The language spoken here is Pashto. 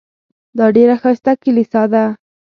دا ډېره ښایسته کلیسا ده.